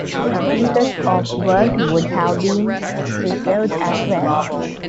Some pieces of worked wood have been preserved as well.